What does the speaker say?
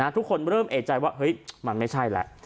ทุกคนเริ่มเอกใจว่ามันไม่ใช่แหละ